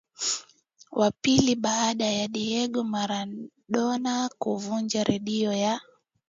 Wa pili na baada ya Diego Maradona kuvunja rekodi ya